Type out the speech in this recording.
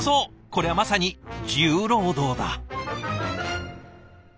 こりゃまさに重労働だ。